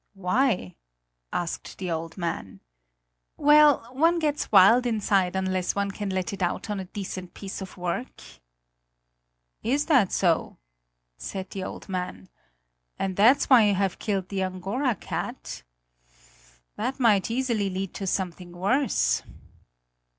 "Why?" asked the old man. "Well, one gets wild inside unless one can let it out on a decent piece of work!" "Is that so?" said the old man, "and that's why you have killed the Angora cat? That might easily lead to something worse!"